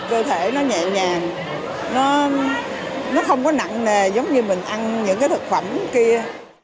cơ thể nó nhẹ nhàng nó không có nặng nề giống như mình ăn những cái thực phẩm kia